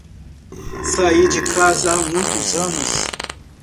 Saí de casa há muitos anos.